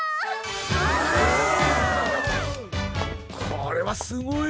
これはすごい。